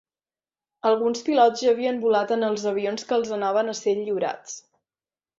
Alguns pilots ja havien volat en els avions que els anaven a ser lliurats.